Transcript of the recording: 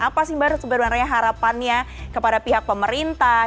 apa sih mbak sebenarnya harapannya kepada pihak pemerintah